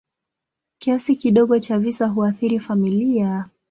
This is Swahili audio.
Kiasi kidogo cha visa huathiri familia.